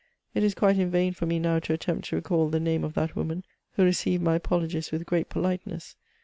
It is quite in vain for me now to attempt to recal the name of that woman, who received mj apologies with great politeness.